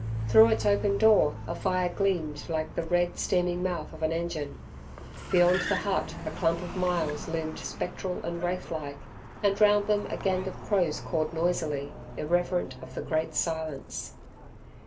Through its open door a fire gleamed like the red, steaming mouth of an engine. Beyond the hut a clump of myalls loomed spectral and wraith like, and round them a gang of crows cawed noisily, irreverent of the great silence.